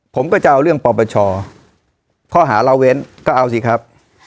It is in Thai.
ผมก็จะเอาเรื่องปปชข้อหาละเว้นก็เอาสิครับ